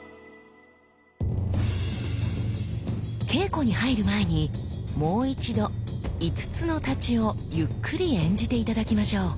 稽古に入る前にもう一度五津之太刀をゆっくり演じて頂きましょう。